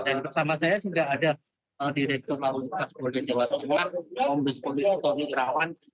dan bersama saya sudah ada direktur lawan lintas polda jawa tengah omnispolitori rawan